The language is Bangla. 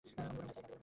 আমি বললাম, হে সাঈদ!